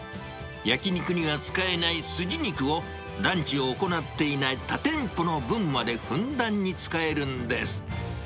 焼き肉には使えないスジ肉を、ランチを行っていない他店舗の分までふんだんに使えるんです。